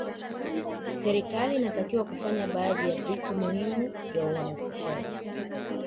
serikali inatakiwa kufanya baadhi ya vitu muhimu vya uhamasishaji